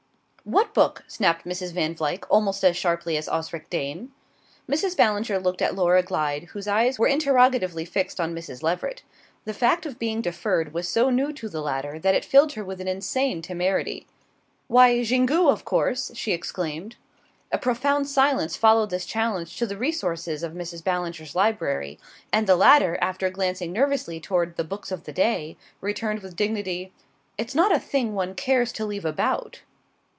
"What book?" snapped Miss Van Vluyck, almost as sharply as Osric Dane. Mrs. Ballinger looked at Laura Glyde, whose eyes were interrogatively fixed on Mrs. Leveret. The fact of being deferred to was so new to the latter that it filled her with an insane temerity. "Why, Xingu, of course!" she exclaimed. A profound silence followed this challenge to the resources of Mrs. Ballinger's library, and the latter, after glancing nervously toward the Books of the Day, returned with dignity: "It's not a thing one cares to leave about."